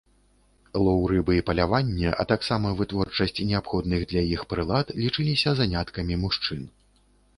Лоў рыбы і паляванне, а таксама вытворчасць неабходных для іх прылад, лічыліся заняткамі мужчын.